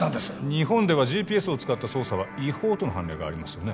日本ではＧＰＳを使った捜査は違法との判例がありますよね